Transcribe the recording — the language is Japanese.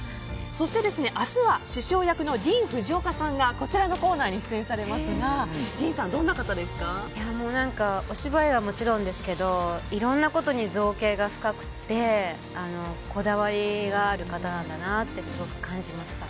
そして明日は獅子雄役のディーン・フジオカさんがこちらのコーナーに出演されますがお芝居はもちろんですけどいろんなことに造詣が深くてこだわりがある方なんだなってすごく感じました。